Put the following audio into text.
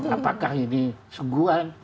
apakah ini sungguhan